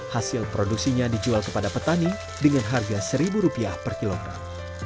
hasil produksinya dijual kepada petani dengan harga rp satu per kilogram